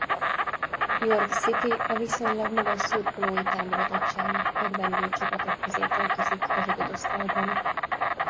York City a viszonylag magas szurkolói támogatottságnak örvendő csapatok közé tartozik az ötödosztályban.